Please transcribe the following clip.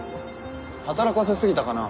働かせすぎたかな？